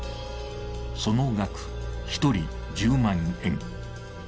その額１人１０万円。